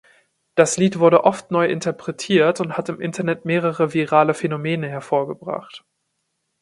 Das Lied wurde oft neu interpretiert und hat im Internet mehrere virale Phänomene hervorgebracht.